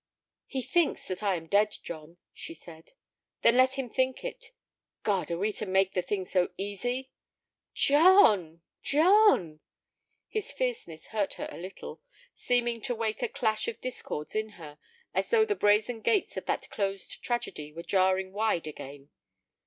"He thinks that I am dead, John," she said. "Then let him think it. God! Are we to make the thing so easy?" "John! John!" His fierceness hurt her a little, seeming to wake a clash of discords in her, as though the brazen gates of that closed tragedy were jarring wide again.